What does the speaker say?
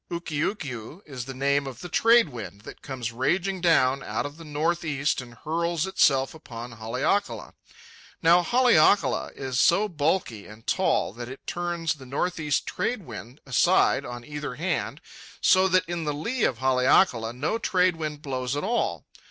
Ukiukiu is the name of the trade wind that comes raging down out of the north east and hurls itself upon Haleakala. Now Haleakala is so bulky and tall that it turns the north east trade wind aside on either hand, so that in the lee of Haleakala no trade wind blows at all.